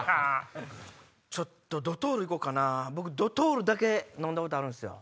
ちょっとドトール行こうかなドトールだけ飲んだことあるんすよ。